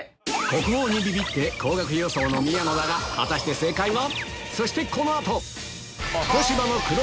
国宝にビビって高額予想の宮野だが果たして正解は？